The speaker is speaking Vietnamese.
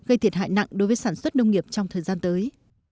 gây thiệt hại nặng đối với sản xuất nông nghiệp trong thời gian tới